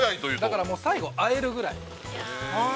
◆だから、最後あえるぐらい。